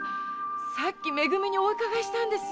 さっきめ組にお伺いしたんですよ。